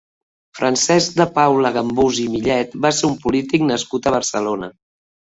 Francesc de Paula Gambús i Millet va ser un polític nascut a Barcelona.